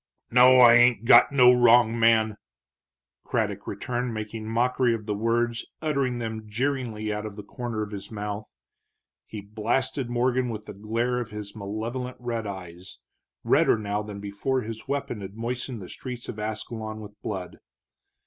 "No, I ain't got no wrong man!" Craddock returned, making mockery of the words, uttering them jeeringly out of the corner of his mouth. He blasted Morgan with the glare of his malevolent red eyes, redder now than before his weapon had moistened the street of Ascalon with blood.